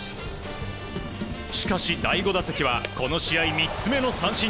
しかし、第５打席はこの試合３つ目の三振。